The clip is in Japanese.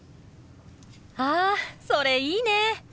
あそれいいね！